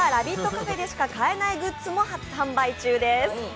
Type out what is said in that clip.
カフェでしか買えないグッズも販売中です。